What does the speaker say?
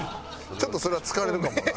ちょっとそれは疲れるかもな。